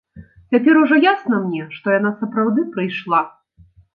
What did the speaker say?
Цяпер ужо ясна мне, што яна сапраўды прыйшла.